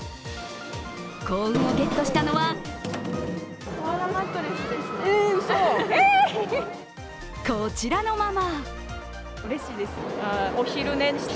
幸運をゲットしたのはこちらのママ。